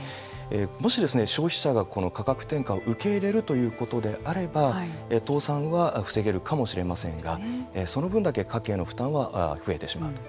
もし消費者が価格転嫁を受け入れるということであれば倒産は防げるかもしれませんがその分だけ家計の負担は増えてしまうと。